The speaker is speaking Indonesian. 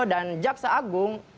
dan jaksa agung